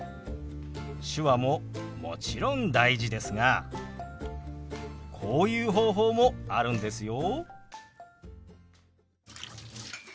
手話ももちろん大事ですがこういう方法もあるんですよ。